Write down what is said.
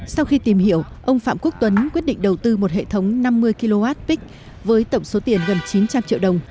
sau khi tìm hiểu ông phạm quốc tuấn quyết định đầu tư một hệ thống năm mươi kw với tổng số tiền gần chín trăm linh triệu đồng